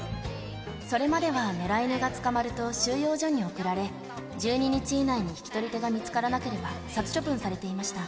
それまでは野良犬が捕まると、収容所に送られ、１２日以内に引き取り手が見つからなければ、殺処分されていました。